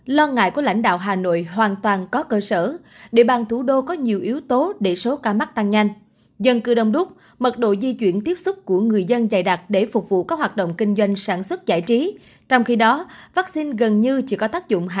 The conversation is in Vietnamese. lo ngại của lãnh đạo hà nội hoàn toàn cốt